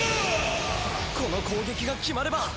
この攻撃が決まれば。